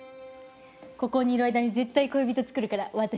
ここにいる間に絶対恋人つくるから私。